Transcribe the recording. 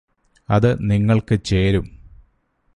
അത് നിങ്ങൾക്ക് ചേരും